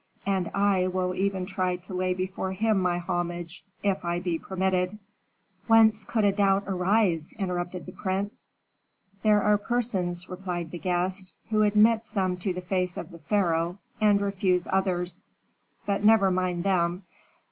and I will even try to lay before him my homage, if I be permitted." "Whence could a doubt arise?" interrupted the prince. "There are persons," replied the guest, "who admit some to the face of the pharaoh and refuse others but never mind them.